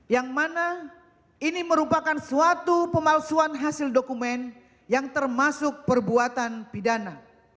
yang mana ini merupakan suatu pemalsuan hasil dokumen yang termasuk perbuatan pidana